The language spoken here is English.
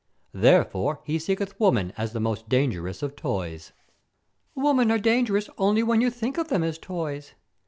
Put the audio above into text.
Therefore he seeketh woman as the most dangerous of toys." "Women are dangerous only when you think of them as toys.